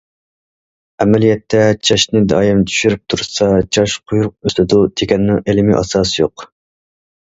ئەمەلىيەتتە چاچنى دائىم چۈشۈرۈپ تۇرسا، چاچ قويۇق ئۆسىدۇ دېگەننىڭ ئىلمىي ئاساسى يوق.